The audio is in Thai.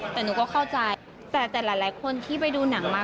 แต่หนูก็เข้าใจแต่หลายคนที่ไปดูหนังมา